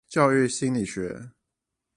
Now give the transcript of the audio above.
教育心理學